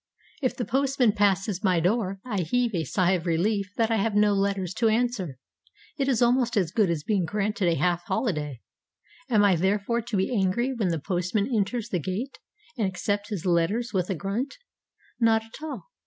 If the postman passes my door, I heave a sigh of relief that I have no letters to answer; it is almost as good as being granted a half holiday. Am I therefore to be angry when the postman enters the gate, and accept his letters with a grunt? Not at all.